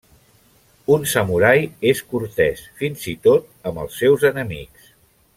Un samurai és cortès fins i tot amb els seus enemics.